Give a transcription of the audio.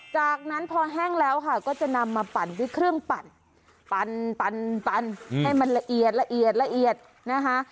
จากนั้นพอแห้งแล้วค่ะก็จะนำมาปั่นที่เครื่องปั่นปั่นให้มันละเอียดนะคะ